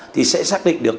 thì sẽ xác định được